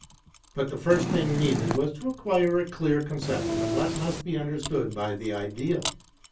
But the first thing needed was to acquire a clear conception of what must be understood by the Ideal.